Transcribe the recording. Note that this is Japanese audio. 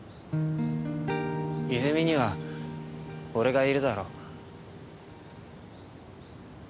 泉には俺がいるだろ。